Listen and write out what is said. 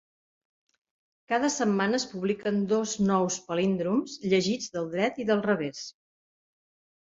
Cada setmana es publiquen dos nous palíndroms, llegits del dret i del revés.